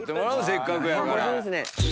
せっかくやから。